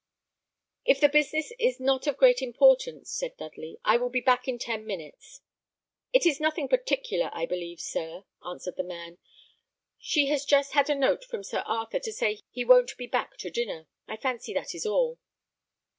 "If the business is not of great importance," said Dudley, "I will be back in ten minutes." "It is nothing particular, I believe, sir," answered the man; "she has just had a note from Sir Arthur to say he won't be back to dinner. I fancy that is all."